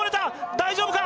大丈夫か？